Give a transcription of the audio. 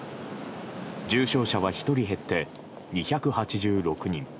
重症者は１人減って２８６人。